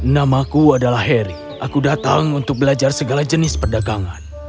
namaku adalah harry aku datang untuk belajar segala jenis perdagangan